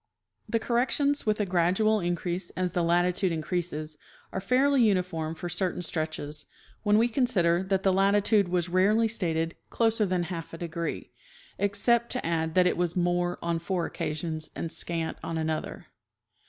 The corrections, with a gradual increase as the latitude in creases, are fairly uniform for certain stretches, when we consider Latitude and Distance. 241 that the latitude was rarely stated closer than half a degree, except to add that it was " more " on four occasions and " scant " on another.